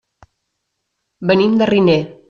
Venim de Riner.